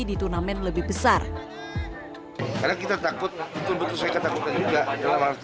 di turnamen lebih besar karena kita takut betul betul saya ketakutan juga dalam waktu